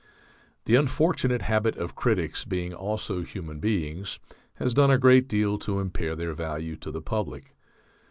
The unfortunate habit of critics being also human beings has done a great deal to impair their value to the public.